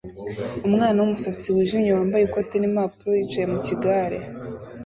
Umwana wumusatsi wijimye wambaye ikoti nimpapuro yicaye mukigare